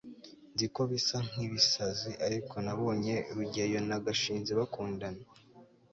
nzi ko bisa nkibisazi, ariko nabonye rugeyo na gashinzi bakundana